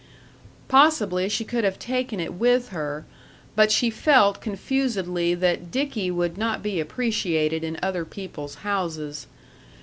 Possibly she could have taken it with her, but she felt confusedly that Dickie would not be appreciated in other people's houses.